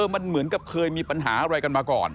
มันเหมือนกับเคยมีปัญหาอะไรกันมาก่อน